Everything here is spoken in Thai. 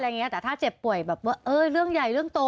ใช่อะไรอย่างนี้แต่ถ้าเจ็บป่วยแบบว่าเออเรื่องใหญ่เรื่องโต